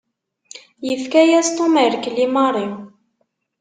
Yefka-yas Tom rrkel i Mary.